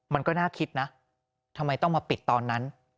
มันก็น่าคิดนะทำไมต้องมาปิดตอนนั้น